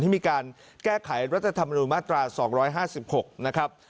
ให้มีการแก้ไขรัฐธรรมนุนมาตรา๒๕๖นะครับ